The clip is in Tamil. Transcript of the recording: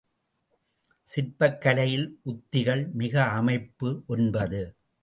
சிற்பக் கலையில் உத்திகள் மிகை அமைப்பு ஒன்பது.